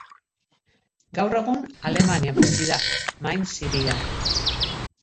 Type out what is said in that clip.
Gaur egun Alemanian bizi da, Mainz hirian.